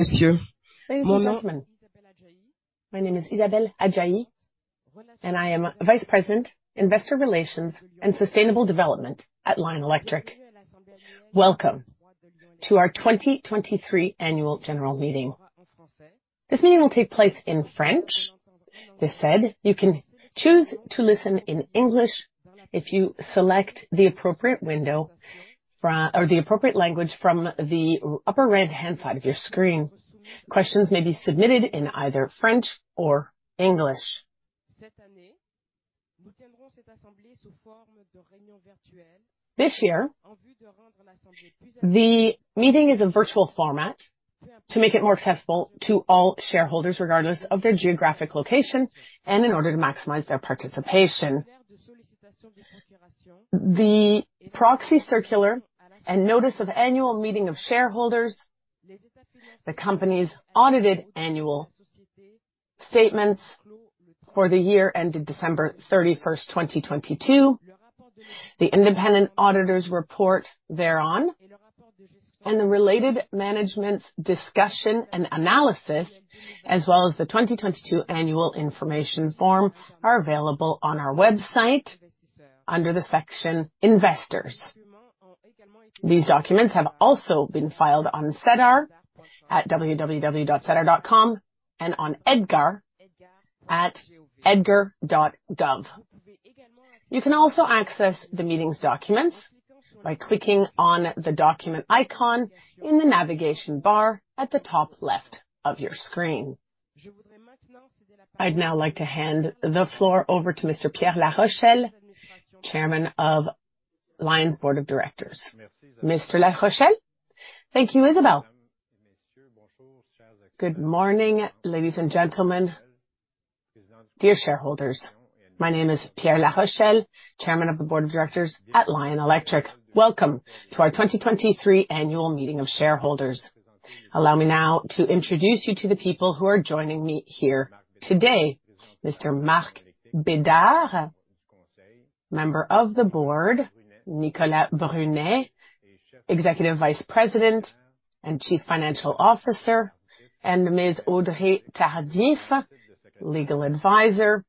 Ladies and gentlemen, my name is Isabelle Adjahi, and I am Vice President, Investor Relations and Sustainable Development at Lion Electric. Welcome to our 2023 Annual General Meeting. This meeting will take place in French. This said, you can choose to listen in English if you select the appropriate window or the appropriate language from the upper right-hand side of your screen. Questions may be submitted in either French or English. This year, the meeting is a virtual format to make it more accessible to all shareholders, regardless of their geographic location, and in order to maximize their participation. The proxy circular and notice of annual meeting of shareholders, the company's audited annual statements for the year ended December 31st, 2022, the independent auditor's report thereon, and the related management's discussion and analysis, as well as the 2022 annual information form, are available on our website under the section Investors. These documents have also been filed on SEDAR at www.sedar.com and on EDGAR at edgar.gov. You can also access the meeting's documents by clicking on the document icon in the navigation bar at the top left of your screen. I'd now like to hand the floor over to Mr. Pierre Larochelle, Chairman of Lion's Board of Directors. Mr. Larochelle? Thank you, Isabelle. Good morning, ladies and gentlemen, dear shareholders. My name is Pierre Larochelle, Chairman of the Board of Directors at Lion Electric. Welcome to our 2023 Annual Meeting of Shareholders. Allow me now to introduce you to the people who are joining me here today: Mr. Marc Bédard, member of the board, Nicolas Brunet, Executive Vice President and Chief Financial Officer, and Ms. Audrey Tardif, Legal Advisor,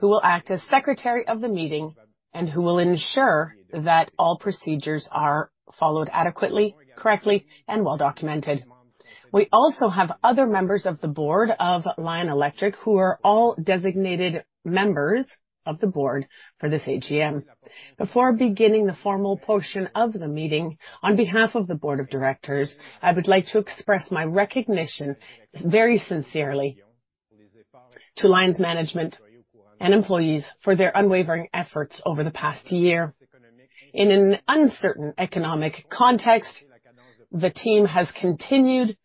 who will act as Secretary of the meeting and who will ensure that all procedures are followed adequately, correctly, and well documented. We also have other members of the board of Lion Electric, who are all designated members of the board for this AGM. Before beginning the formal portion of the meeting, on behalf of the board of directors, I would like to express my recognition very sincerely to Lion's management and employees for their unwavering efforts over the past year. In an uncertain economic context, the team has continued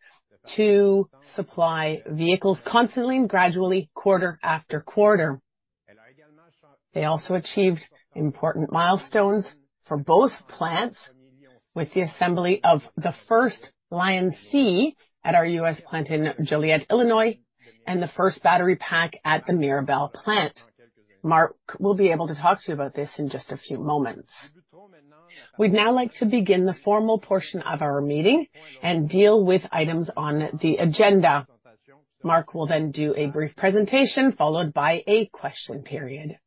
to supply vehicles constantly and gradually, quarter after quarter. They also achieved important milestones for both plants, with the assembly of the first LionC at our U.S. plant in Joliet, Illinois, and the first battery pack at the Mirabel plant. Marc will be able to talk to you about this in just a few moments. We'd now like to begin the formal portion of our meeting and deal with items on the agenda. Marc will do a brief presentation, followed by a question period.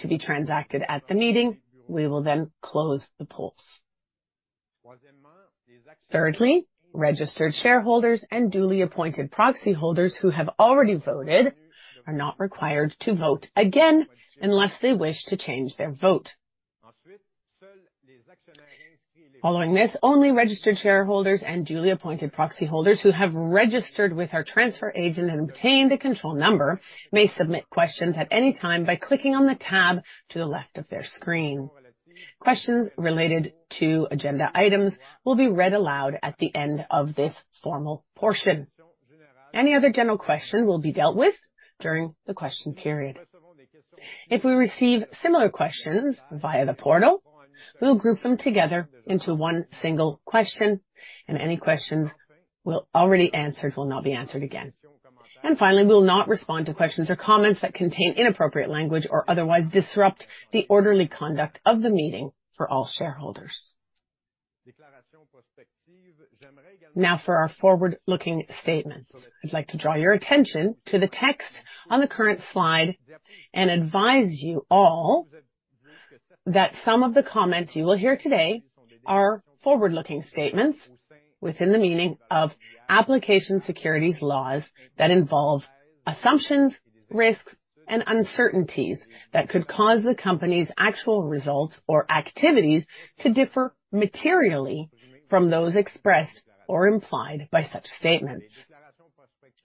To be transacted at the meeting, we will close the polls. Thirdly, registered shareholders and duly appointed proxy holders who have already voted, are not required to vote again unless they wish to change their vote. Following this, only registered shareholders and duly appointed proxy holders who have registered with our transfer agent and obtained a control number, may submit questions at any time by clicking on the tab to the left of their screen. Questions related to agenda items will be read aloud at the end of this formal portion. Any other general question will be dealt with during the question period. If we receive similar questions via the portal, we'll group them together into one single question, and any questions we'll already answered will not be answered again. Finally, we will not respond to questions or comments that contain inappropriate language or otherwise disrupt the orderly conduct of the meeting for all shareholders. For our forward-looking statements, I'd like to draw your attention to the text on the current slide and advise you all that some of the comments you will hear today are forward-looking statements within the meaning of application securities laws that involve assumptions, risks, and uncertainties that could cause the company's actual results or activities to differ materially from those expressed or implied by such statements.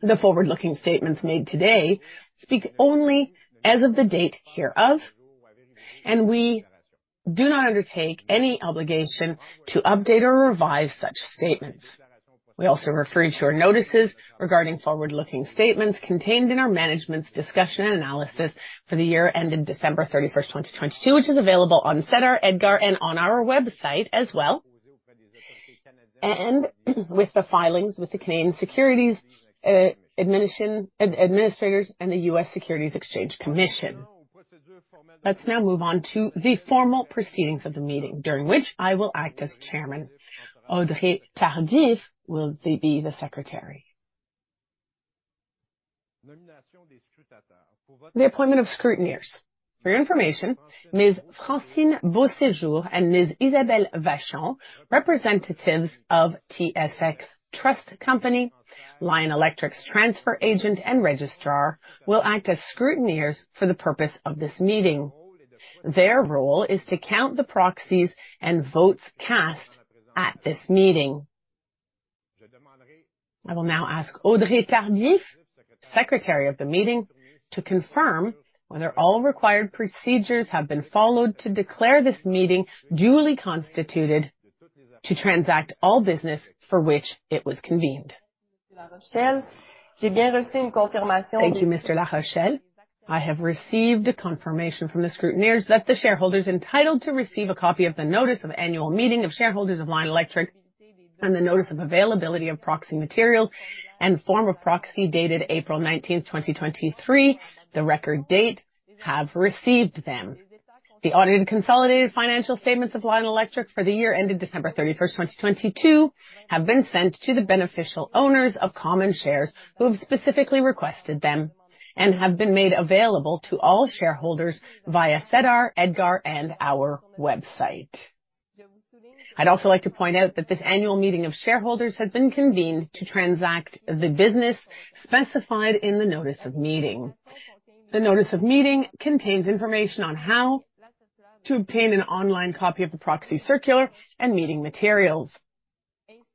The forward-looking statements made today speak only as of the date hereof, and we do not undertake any obligation to update or revise such statements. We also refer you to our notices regarding forward-looking statements contained in our management's discussion and analysis for the year ended December 31st, 2022, which is available on SEDAR, EDGAR, and on our website as well, and with the filings with the Canadian Securities Administrators and the U.S. Securities and Exchange Commission. Let's now move on to the formal proceedings of the meeting, during which I will act as chairman. Audrey Tardif will be the secretary. The appointment of scrutineers. For your information, Ms. Francine Beausséjour and Ms. Isabelle Vachon, representatives of TSX Trust Company, Lion Electric's transfer agent and registrar, will act as scrutineers for the purpose of this meeting. Their role is to count the proxies and votes cast at this meeting. I will now ask Audrey Tardif, Secretary of the Meeting, to confirm whether all required procedures have been followed to declare this meeting duly constituted, to transact all business for which it was convened. Thank you, Mr. Larochelle. I have received a confirmation from the scrutineers that the shareholders entitled to receive a copy of the notice of Annual Meeting of Shareholders of Lion Electric and the notice of availability of proxy materials and form of proxy, dated April 19th, 2023, the record date, have received them. The audited consolidated financial statements of Lion Electric for the year ended December 31st, 2022, have been sent to the beneficial owners of common shares who have specifically requested them and have been made available to all shareholders via SEDAR, EDGAR, and our website. I'd also like to point out that this annual meeting of shareholders has been convened to transact the business specified in the notice of meeting. The notice of meeting contains information on how to obtain an online copy of the proxy circular and meeting materials,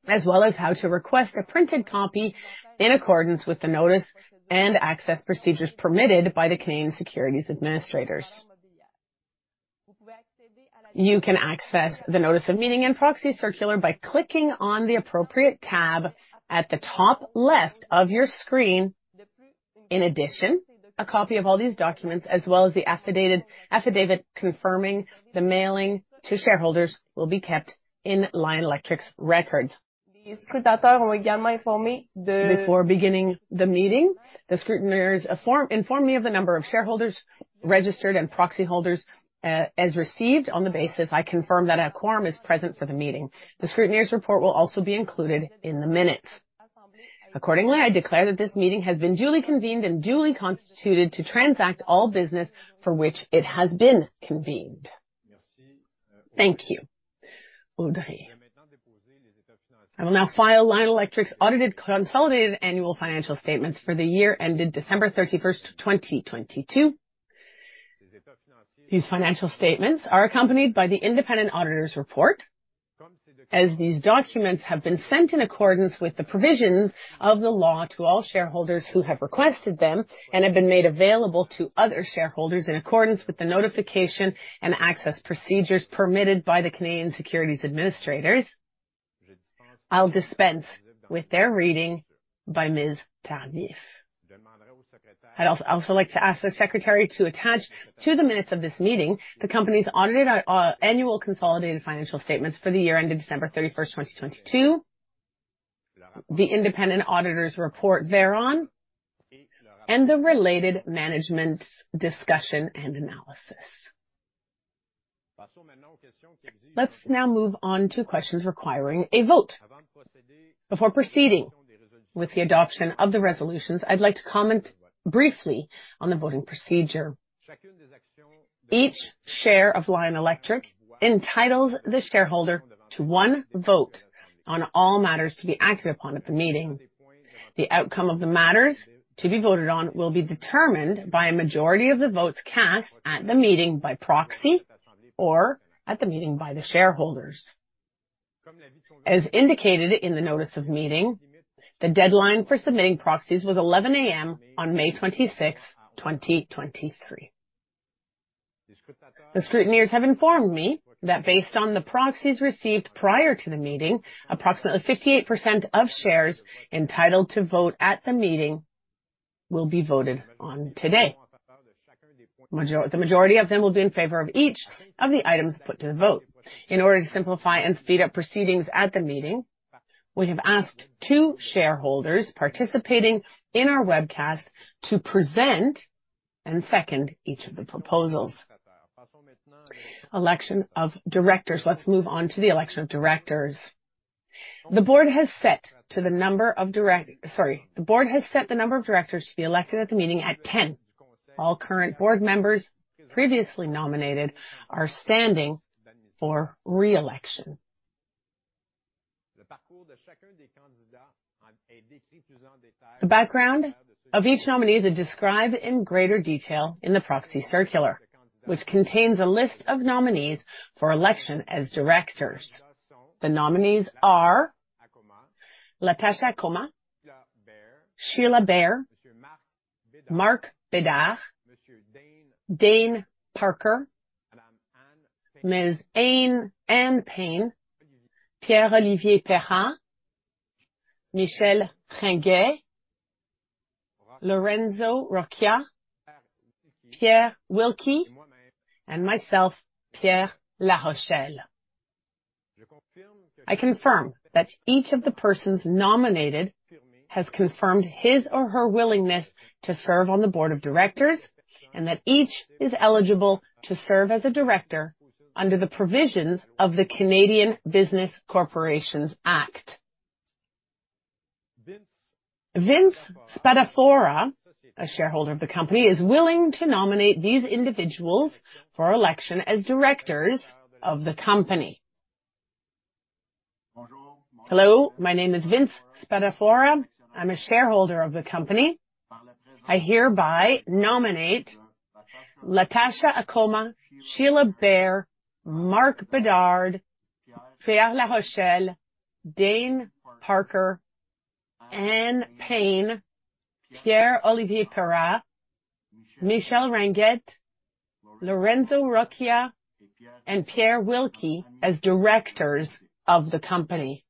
as well as how to request a printed copy, in accordance with the notice and access procedures permitted by the Canadian Securities Administrators. You can access the notice of meeting and proxy circular by clicking on the appropriate tab at the top left of your screen. In addition, a copy of all these documents, as well as the affidavit confirming the mailing to shareholders, will be kept in Lion Electric's records. Before beginning the meeting, the scrutineers informed me of the number of shareholders registered and proxy holders, as received. On the basis, I confirm that a quorum is present for the meeting. The scrutineers' report will also be included in the minutes. I declare that this meeting has been duly convened and duly constituted to transact all business for which it has been convened. Thank you, Audrey. I will now file Lion Electric's audited consolidated annual financial statements for the year ended December 31st, 2022. These financial statements are accompanied by the independent auditor's report. As these documents have been sent in accordance with the provisions of the law to all shareholders who have requested them and have been made available to other shareholders in accordance with the notification and access procedures permitted by the Canadian Securities Administrators, I'll dispense with their reading by Ms. Tardif. I'd also like to ask the secretary to attach to the minutes of this meeting, the company's audited annual consolidated financial statements for the year ended December 31st, 2022, the independent auditor's report thereon, and the related management's discussion and analysis. Let's now move on to questions requiring a vote. Before proceeding with the adoption of the resolutions, I'd like to comment briefly on the voting procedure. Each share of Lion Electric entitles the shareholder to one vote on all matters to be acted upon at the meeting. The outcome of the matters to be voted on will be determined by a majority of the votes cast at the meeting, by proxy, or at the meeting by the shareholders. As indicated in the notice of meeting, the deadline for submitting proxies was 11:00A.M. on May 26th, 2023. The scrutineers have informed me that based on the proxies received prior to the meeting, approximately 58% of shares entitled to vote at the meeting will be voted on today. The majority of them will be in favor of each of the items put to the vote. In order to simplify and speed up proceedings at the meeting, we have asked two shareholders participating in our webcast to present and second each of the proposals. Election of directors. Let's move on to the election of directors. Sorry, the board has set the number of directors to be elected at the meeting at 10. All current board members previously nominated are standing for re-election. The background of each nominee is described in greater detail in the proxy circular, which contains a list of nominees for election as directors. The nominees are Latasha Akoma, Sheila Bair, Marc Bédard, Dane Parker, Ann Payne, Pierre-Olivier Perras, Michel Ringuet, Lorenzo Roccia, Pierre Wilkie, and myself, Pierre Larochelle. I confirm that each of the persons nominated has confirmed his or her willingness to serve on the board of directors, and that each is eligible to serve as a director under the provisions of the Canada Business Corporations Act. Vince Spadafora, a shareholder of the company, is willing to nominate these individuals for election as directors of the company. Hello, my name is Vince Spadafora. I'm a shareholder of the company. I hereby nominate Latasha Akoma, Sheila Bair, Marc Bédard, Pierre Larochelle, Dane Parker, Ann Payne, Pierre-Olivier Perras, Michel Ringuet, Lorenzo Roccia, and Pierre Wilkie as directors of the company.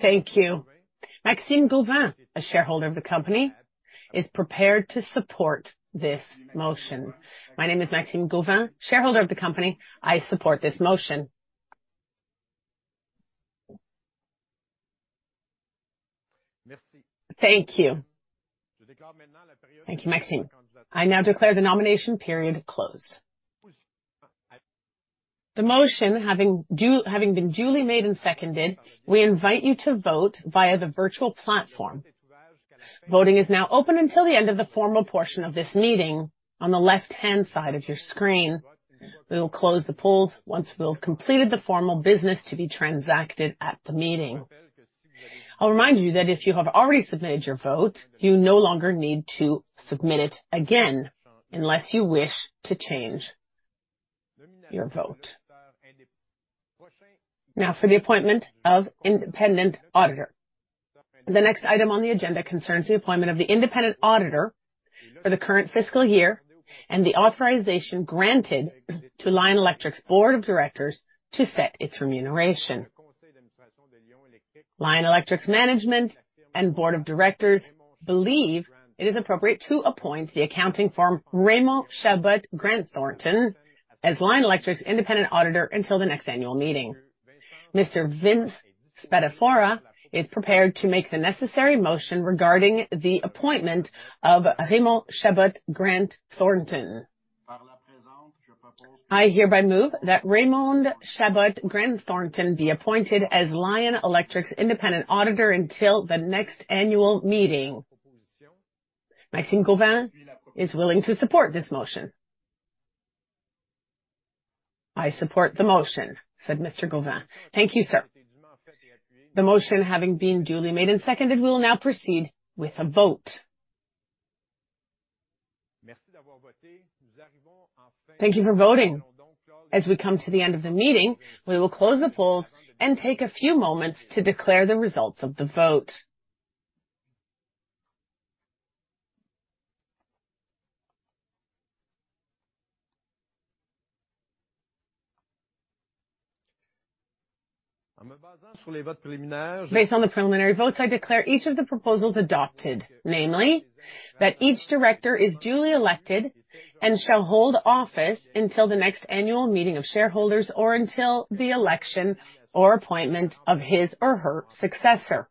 Thank you. Maxime Gauvin, a shareholder of the company, is prepared to support this motion. My name is Maxime Gauvin, shareholder of the company. I support this motion. Thank you. Thank you, Maxime. I now declare the nomination period closed. The motion, having been duly made and seconded, we invite you to vote via the virtual platform. Voting is now open until the end of the formal portion of this meeting on the left-hand side of your screen. We will close the polls once we have completed the formal business to be transacted at the meeting. I'll remind you that if you have already submitted your vote, you no longer need to submit it again unless you wish to change your vote. Now for the appointment of independent auditor. The next item on the agenda concerns the appointment of the independent auditor for the current fiscal year and the authorization granted to Lion Electric's Board of Directors to set its remuneration. Lion Electric's management and board of directors believe it is appropriate to appoint the accounting firm, Raymond Chabot Grant Thornton, as Lion Electric's independent auditor until the next annual meeting. Mr. Vince Spadafora is prepared to make the necessary motion regarding the appointment of Raymond Chabot Grant Thornton. I hereby move that Raymond Chabot Grant Thornton be appointed as Lion Electric's independent auditor until the next annual meeting. Maxime Gauvin is willing to support this motion. "I support the motion," said Mr. Gauvin. Thank you, sir. The motion, having been duly made and seconded, we will now proceed with a vote. Thank you for voting. As we come to the end of the meeting, we will close the polls and take a few moments to declare the results of the vote. Based on the preliminary votes, I declare each of the proposals adopted, namely, that each director is duly elected and shall hold office until the next annual meeting of shareholders, or until the election or appointment of his or her successor.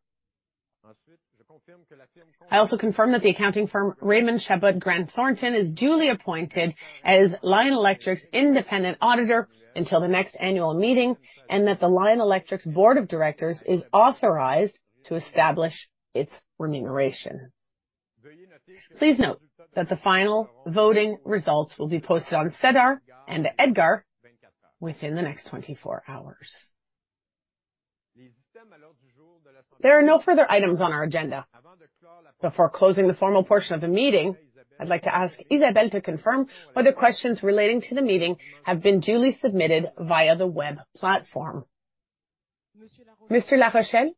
I also confirm that the accounting firm, Raymond Chabot Grant Thornton, is duly appointed as Lion Electric's independent auditor until the next annual meeting, and that Lion Electric's board of directors is authorized to establish its remuneration. Please note that the final voting results will be posted on SEDAR and EDGAR within the next 24 hours. There are no further items on our agenda. Before closing the formal portion of the meeting, I'd like to ask Isabelle to confirm whether questions relating to the meeting have been duly submitted via the web platform. Larochelle,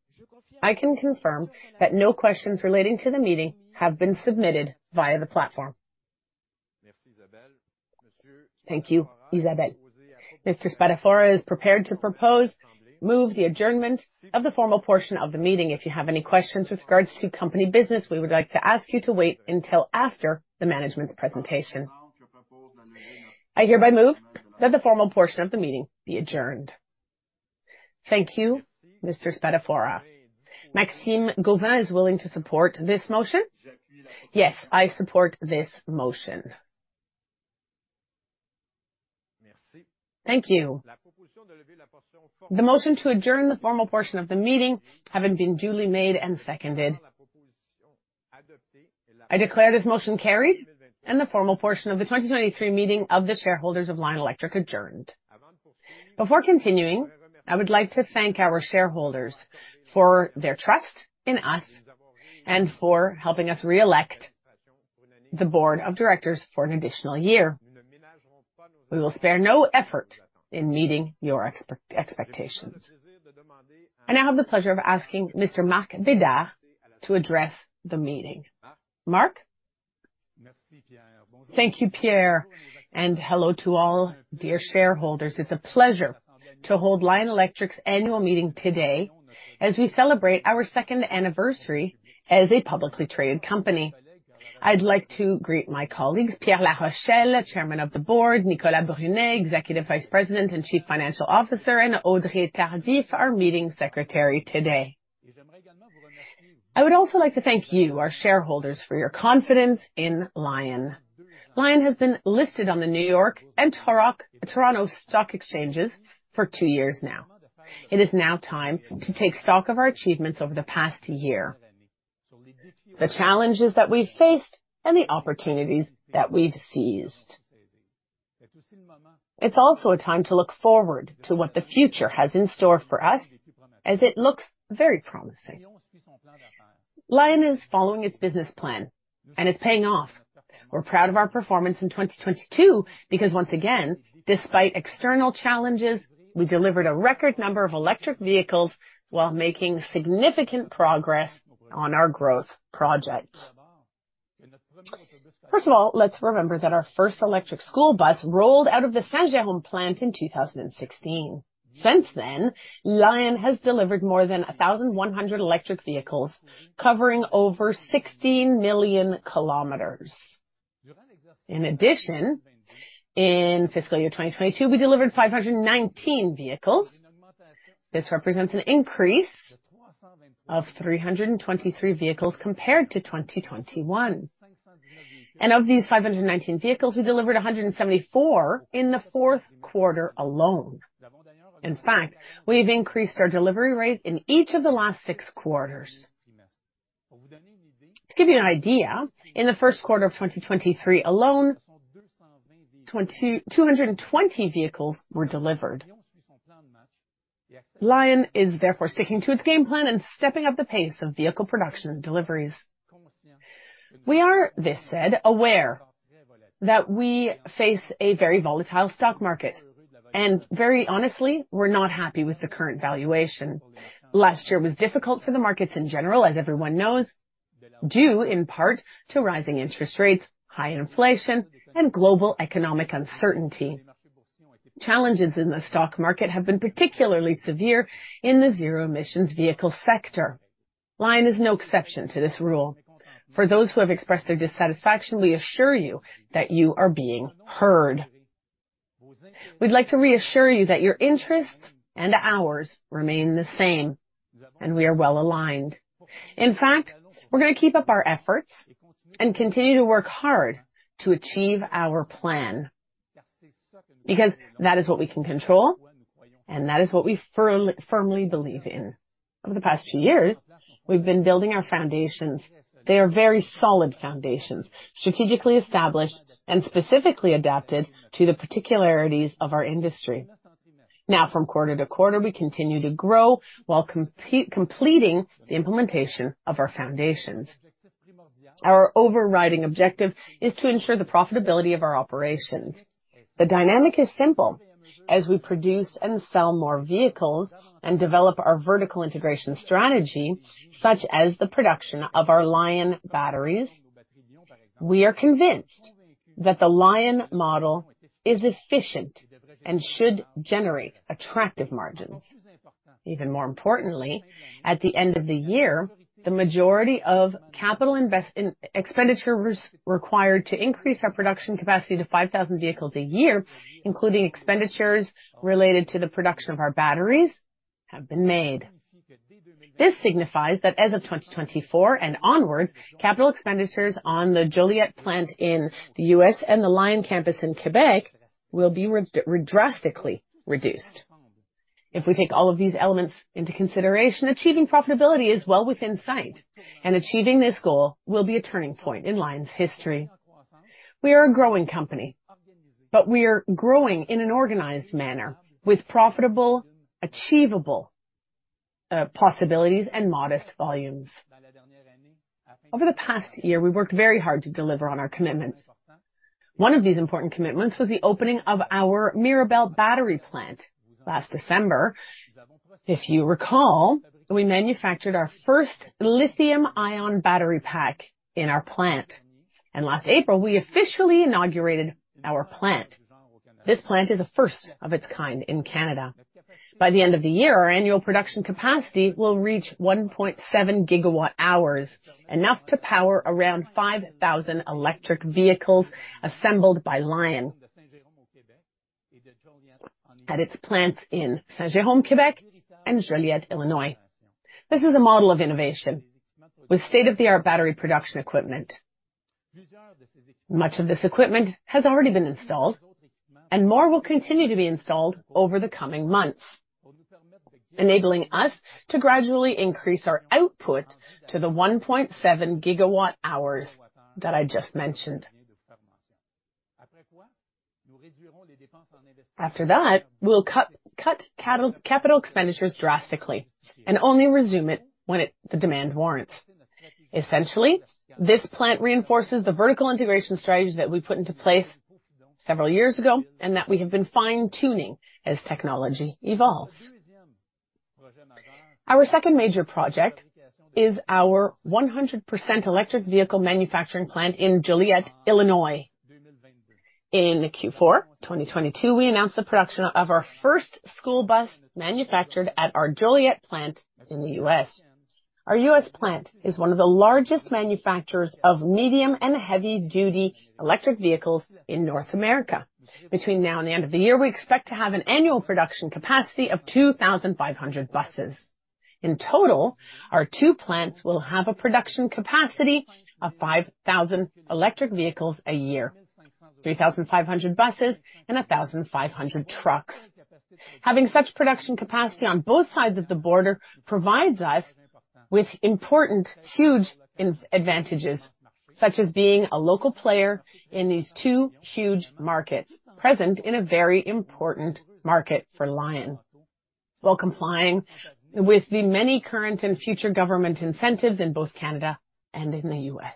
I can confirm that no questions relating to the meeting have been submitted via the platform. Thank you, Isabelle. Mr. Spadafora is prepared to propose, move the adjournment of the formal portion of the meeting. If you have any questions with regards to company business, we would like to ask you to wait until after the management's presentation. I hereby move that the formal portion of the meeting be adjourned. Thank you, Mr. Spadafora. Maxime Gauvin, is willing to support this motion? Yes, I support this motion. Thank you. The motion to adjourn the formal portion of the meeting, having been duly made and seconded, I declare this motion carried and the formal portion of the 2023 meeting of the shareholders of Lion Electric adjourned. Before continuing, I would like to thank our shareholders for their trust in us and for helping us re-elect the board of directors for an additional year. We will spare no effort in meeting your expectations. I now have the pleasure of asking Mr. Marc Bédard to address the meeting. Marc? Thank you, Pierre. Hello to all dear shareholders. It's a pleasure to hold Lion Electric's annual meeting today as we celebrate our second anniversary as a publicly traded company. I'd like to greet my colleagues, Pierre Larochelle, Chairman of the Board, Nicolas Brunet, Executive Vice President and Chief Financial Officer, and Audrey Tardif, our Meeting Secretary today. I would also like to thank you, our shareholders, for your confidence in Lion. Lion has been listed on the New York and Toronto stock exchanges for two years now. It is now time to take stock of our achievements over the past year, the challenges that we've faced, and the opportunities that we've seized. It's also a time to look forward to what the future has in store for us, as it looks very promising. Lion is following its business plan. It's paying off. We're proud of our performance in 2022. Once again, despite external challenges, we delivered a record number of electric vehicles while making significant progress on our growth projects. First of all, let's remember that our first electric school bus rolled out of the Saint-Jérôme plant in 2016. Since then, Lion has delivered more than 1,100 electric vehicles, covering over 16 million kilometers. In fiscal year 2022, we delivered 519 vehicles. This represents an increase of 323 vehicles compared to 2021. Of these 519 vehicles, we delivered 174 in the fourth quarter alone. In fact, we've increased our delivery rate in each of the last six quarters. To give you an idea, in the first quarter of 2023 alone, 220 vehicles were delivered. Lion is therefore sticking to its game plan and stepping up the pace of vehicle production and deliveries. We are, this said, aware that we face a very volatile stock market, very honestly, we're not happy with the current valuation. Last year was difficult for the markets in general, as everyone knows, due in part to rising interest rates, high inflation, and global economic uncertainty. Challenges in the stock market have been particularly severe in the zero-emissions vehicle sector. Lion is no exception to this rule. For those who have expressed their dissatisfaction, we assure you that you are being heard. We'd like to reassure you that your interests and ours remain the same. We are well aligned. In fact, we're gonna keep up our efforts and continue to work hard to achieve our plan, because that is what we can control. That is what we firmly believe in. Over the past two years, we've been building our foundations. They are very solid foundations, strategically established and specifically adapted to the particularities of our industry. Now, from quarter to quarter, we continue to grow while completing the implementation of our foundations. Our overriding objective is to ensure the profitability of our operations. The dynamic is simple: As we produce and sell more vehicles and develop our vertical integration strategy, such as the production of our Lion batteries, we are convinced that the Lion model is efficient and should generate attractive margins. Even more importantly, at the end of the year, the majority of capital expenditures required to increase our production capacity to 5,000 vehicles a year, including expenditures related to the production of our batteries have been made. This signifies that as of 2024 and onwards, capital expenditures on the Joliet plant in the U.S. and the Lion campus in Quebec will be drastically reduced. If we take all of these elements into consideration, achieving profitability is well within sight, and achieving this goal will be a turning point in Lion's history. We are a growing company, we are growing in an organized manner with profitable, achievable possibilities and modest volumes. Over the past year, we worked very hard to deliver on our commitments. One of these important commitments was the opening of our Mirabel battery plant last December. If you recall, we manufactured our first lithium-ion battery pack in our plant. Last April, we officially inaugurated our plant. This plant is the first of its kind in Canada. By the end of the year, our annual production capacity will reach 1.7 gigawatt hours, enough to power around 5,000 electric vehicles assembled by Lion at its plants in Saint-Jérôme, Quebec, and Joliet, Illinois. This is a model of innovation with state-of-the-art battery production equipment. Much of this equipment has already been installed, more will continue to be installed over the coming months, enabling us to gradually increase our output to the 1.7 gigawatt hours that I just mentioned. After that, we'll cut capital expenditures drastically and only resume it when the demand warrants. Essentially, this plant reinforces the vertical integration strategy that we put into place several years ago and that we have been fine-tuning as technology evolves. Our second major project is our 100% electric vehicle manufacturing plant in Joliet, Illinois. In Q4 2022, we announced the production of our first school bus manufactured at our Joliet plant in the U.S. Our U.S. plant is one of the largest manufacturers of medium and heavy-duty electric vehicles in North America. Between now and the end of the year, we expect to have an annual production capacity of 2,500 buses. In total, our two plants will have a production capacity of 5,000 electric vehicles a year, 3,500 buses and 1,500 trucks. Having such production capacity on both sides of the border provides us with important, huge advantages, such as being a local player in these two huge markets, present in a very important market for Lion, while complying with the many current and future government incentives in both Canada and in the U.S.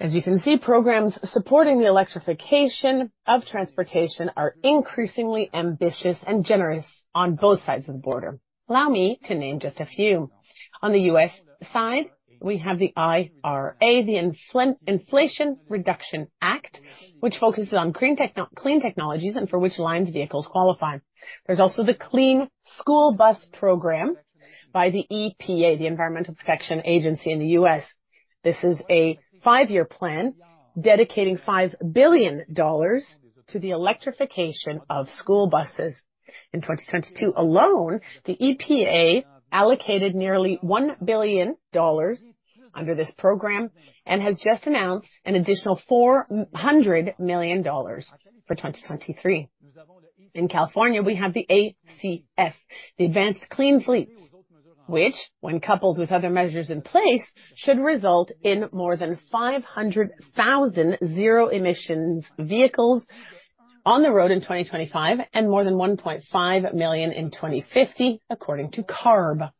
As you can see, programs supporting the electrification of transportation are increasingly ambitious and generous on both sides of the border. Allow me to name just a few. On the U.S. side, we have the IRA, the Inflation Reduction Act, which focuses on clean technologies and for which Lion's vehicles qualify. There's also the Clean School Bus Program by the EPA, the Environmental Protection Agency in the U.S. This is a 5-year plan dedicating $5 billion to the electrification of school buses. In 2022 alone, the EPA allocated nearly $1 billion under this program and has just announced an additional $400 million for 2023. In California, we have the ACF, the Advanced Clean Fleets, which, when coupled with other measures in place, should result in more than 500,000 Zero-Emission vehicles on the road in 2025 and more than 1.5 million in 2050, according to CARB.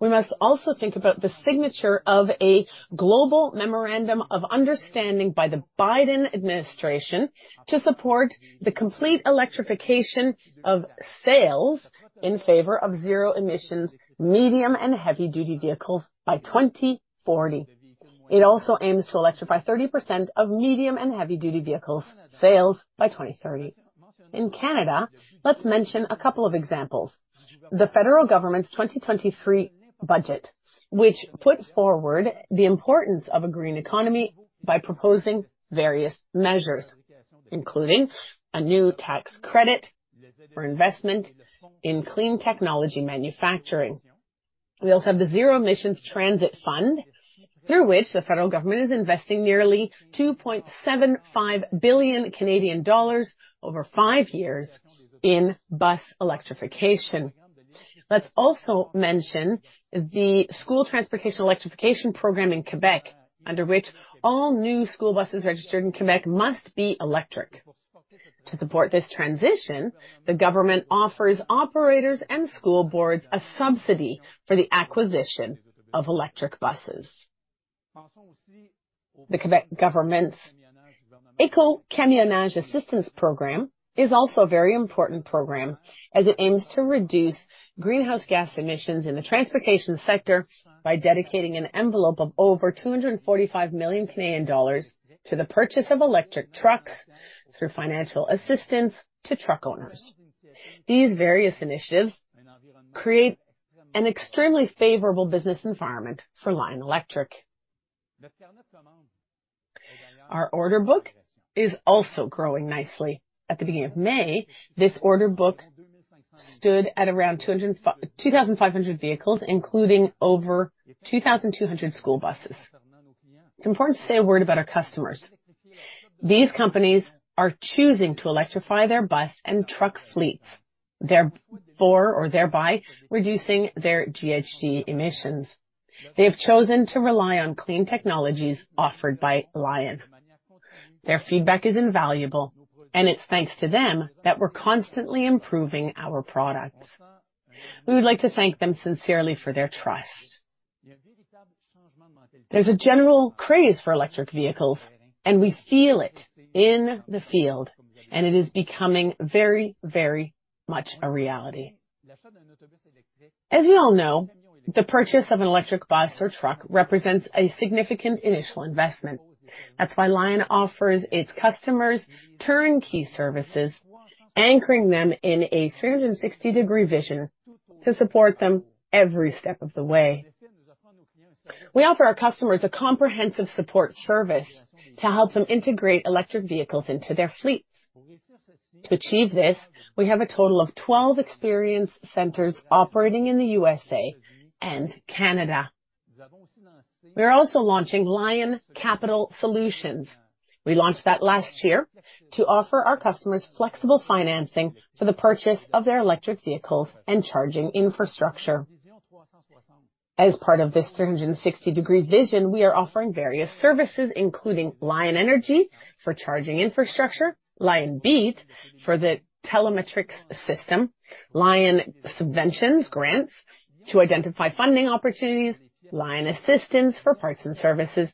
We must also think about the signature of a global memorandum of understanding by the Biden administration to support the complete electrification of sales in favor of zero emissions, medium and heavy-duty vehicles by 2040. It also aims to electrify 30% of medium and heavy-duty vehicles sales by 2030. In Canada, let's mention a couple of examples. The federal government's 2023 budget, which put forward the importance of a green economy by proposing various measures, including a new tax credit for investment in clean technology manufacturing. We also have the Zero Emission Transit Fund, through which the federal government is investing nearly 2.75 billion Canadian dollars over five years in bus electrification. Let's also mention the School Transportation Electrification Program in Quebec, under which all new school buses registered in Quebec must be electric. To support this transition, the government offers operators and school boards a subsidy for the acquisition of electric buses. The Quebec Government's Écocamionnage Assistance Program is also a very important program, as it aims to reduce greenhouse gas emissions in the transportation sector by dedicating an envelope of over 245 million Canadian dollars to the purchase of electric trucks through financial assistance to truck owners. These various initiatives create an extremely favorable business environment for Lion Electric. Our order book is also growing nicely. At the beginning of May, this order book stood at around 2,500 vehicles, including over 2,200 school buses. It's important to say a word about our customers. These companies are choosing to electrify their bus and truck fleets, therefore or thereby reducing their GHG emissions. They have chosen to rely on clean technologies offered by Lion. Their feedback is invaluable, and it's thanks to them that we're constantly improving our products. We would like to thank them sincerely for their trust. There's a general craze for electric vehicles, and we feel it in the field, and it is becoming very, very much a reality. As you all know, the purchase of an electric bus or truck represents a significant initial investment. That's why Lion offers its customers turnkey services, anchoring them in a 360-degree vision to support them every step of the way. We offer our customers a comprehensive support service to help them integrate electric vehicles into their fleets. To achieve this, we have a total of 12 experience centers operating in the USA and Canada. We are also launching Lion Capital Solutions. We launched that last year to offer our customers flexible financing for the purchase of their electric vehicles and charging infrastructure. As part of this 360-degree vision, we are offering various services, including LionEnergy for charging infrastructure, LionBeat for the telematics system, Lion Subventions, Grants to identify funding opportunities, LionAssistance for parts and services,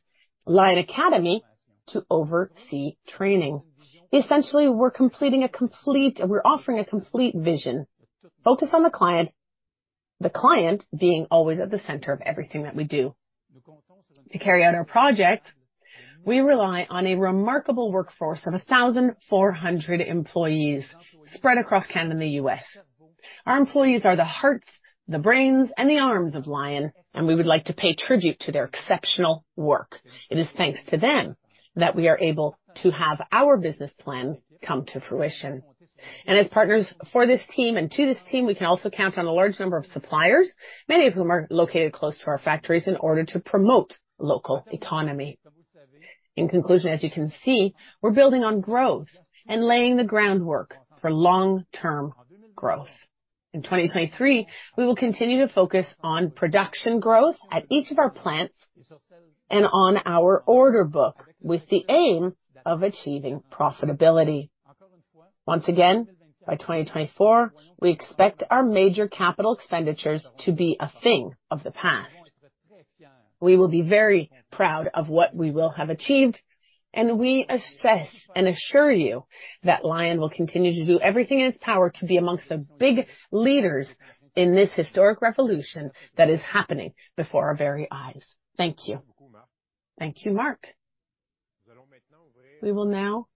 Lion Academy to oversee training. Essentially, we're offering a complete vision, focused on the client, the client being always at the center of everything that we do. To carry out our project, we rely on a remarkable workforce of 1,400 employees spread across Canada and the U.S. Our employees are the hearts, the brains, and the arms of Lion, we would like to pay tribute to their exceptional work. It is thanks to them that we are able to have our business plan come to fruition. As partners for this team and to this team, we can also count on a large number of suppliers, many of whom are located close to our factories in order to promote local economy. In conclusion, as you can see, we're building on growth and laying the groundwork for long-term growth. In 2023, we will continue to focus on production growth at each of our plants and on our order book, with the aim of achieving profitability. Once again, by 2024, we expect our major capital expenditures to be a thing of the past. We will be very proud of what we will have achieved, and we assess and assure you that Lion will continue to do everything in its power to be amongst the big leaders in this historic revolution that is happening before our very eyes. Thank you. Thank you, Marc. We will now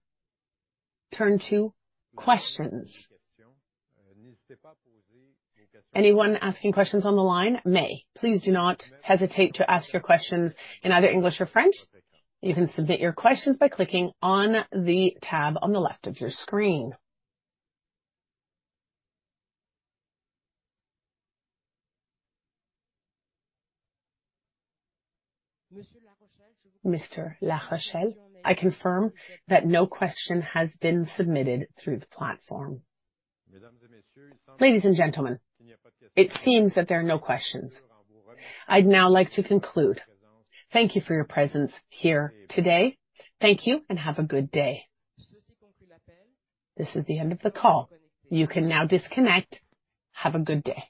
turn to questions. Anyone asking questions on the line may. Please do not hesitate to ask your questions in either English or French. You can submit your questions by clicking on the tab on the left of your screen. Mr. Larochelle, I confirm that no question has been submitted through the platform. Ladies and gentlemen, it seems that there are no questions. I'd now like to conclude. Thank you for your presence here today. Thank you, and have a good day. This is the end of the call. You can now disconnect. Have a good day.